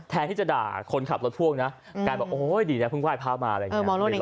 แทนที่จะด่าคนขับรถพ่วงนะการบอกโอ้ยดีนะเพิ่งไหว้พระมาอะไรอย่างนี้